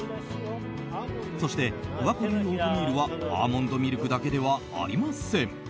そして、十和子流オートミールはアーモンドミルクだけではありません。